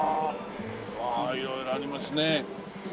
わあ色々ありますね。